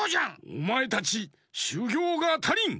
おまえたちしゅぎょうがたりん！